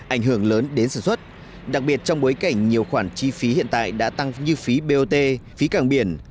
ảnh hưởng lớn đến sản xuất đặc biệt trong bối cảnh nhiều khoản chi phí hiện tại đã tăng như phí bot phí càng biển